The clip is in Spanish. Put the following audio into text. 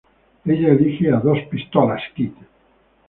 Ella elige a Dos Pistolas Kid.